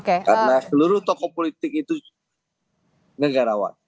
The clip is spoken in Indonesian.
karena seluruh tokoh politik itu negarawan